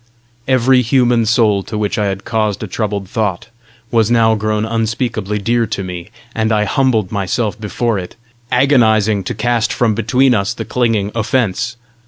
Every human soul to which I had caused a troubled thought, was now grown unspeakably dear to me, and I humbled myself before it, agonising to cast from between us the clinging offence.